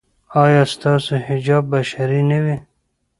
ایا ستاسو حجاب به شرعي نه وي؟